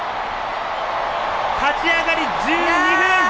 立ち上がり１２分！